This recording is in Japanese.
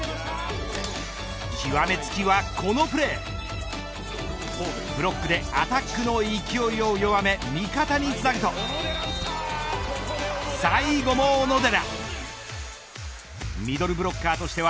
極めつきはこのプレーブロックでアタックの勢いを弱め味方につなぐと最後も小野寺。